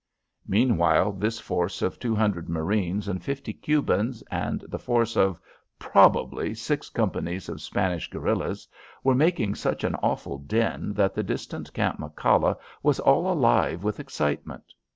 Meanwhile, this force of two hundred marines and fifty Cubans and the force of probably six companies of Spanish guerillas were making such an awful din that the distant Camp McCalla was all alive with excitement.